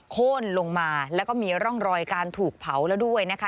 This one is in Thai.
โค้นลงมาแล้วก็มีร่องรอยการถูกเผาแล้วด้วยนะคะ